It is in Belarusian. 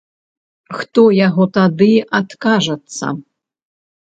Хто яго тады адкажацца.